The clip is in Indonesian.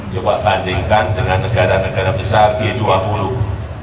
coba bandingkan dengan negara negara besar g dua puluh